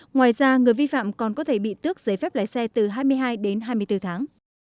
ngoài ra người vi phạm còn có thể bị tước giấy phép lái xe từ hai mươi hai đến hai mươi bốn tháng